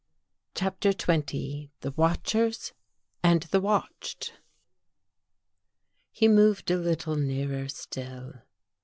CHAPTER XX THE WATCHERS AND THE WATCHED H e moved a little nearer still.